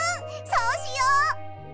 そうしよう！